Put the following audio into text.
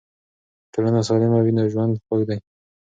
که ټولنه سالمه وي نو ژوند خوږ دی.